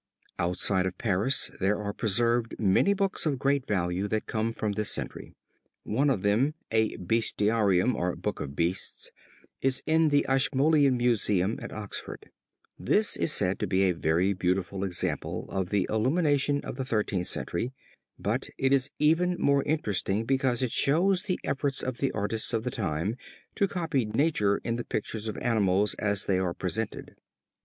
Outside of Paris there are preserved many books of great value that come from this century. One of them, a Bestiarum or Book of Beasts, is in the Ashmoleam Museum at Oxford. This is said to be a very beautiful example of the illumination of the Thirteenth Century, but it is even more interesting because it shows the efforts of the artists of the time to copy nature in the pictures of animals as they are presented.